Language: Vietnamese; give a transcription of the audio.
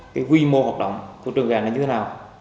cái quy mô hoạt động của trường gà là như thế nào